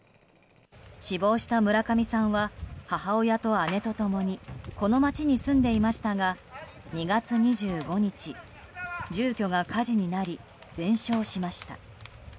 死亡した村上さんは母親と姉と共にこの町に住んでいましたが２月２５日住居が火事になり全焼しました。